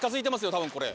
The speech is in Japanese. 多分これ。